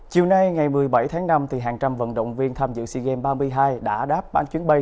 chiều nay ngày một mươi bảy tháng năm hàng trăm vận động viên tham dự sea games ba mươi hai đã đáp bán chuyến bay